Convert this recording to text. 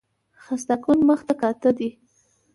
خسته کن مخ ته کاته دي